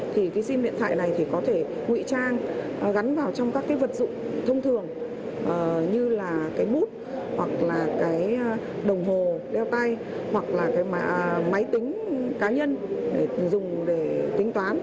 thì cái sim điện thoại này thì có thể ngụy trang gắn vào trong các cái vật dụng thông thường như là cái mút hoặc là cái đồng hồ đeo tay hoặc là cái máy tính cá nhân để dùng để tính toán